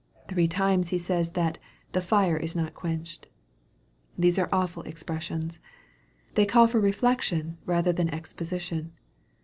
Three times He says that " the fire is not quenched." These are awful expressions. They call for reflection rather than exposition.